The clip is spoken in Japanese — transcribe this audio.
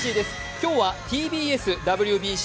今日はＴＢＳＷＢＣ